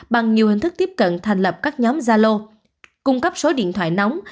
bằng nhiều hình thức tiếp cận thành lập các nhóm gia lô cung cấp số điện thoại nóng